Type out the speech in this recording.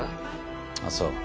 あっそう。